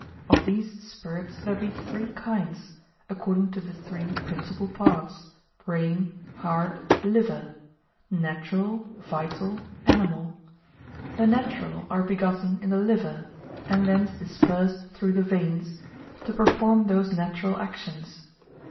Of these spirits there be three kinds, according to the three principal parts, brain, heart, liver; natural, vital, animal. The natural are begotten in the liver, and thence dispersed through the veins, to perform those natural actions.